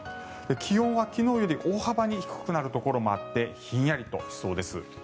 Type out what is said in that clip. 気温は昨日より大幅に低くなるところもあってひんやりとしそうです。